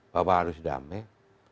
bahwa harus damai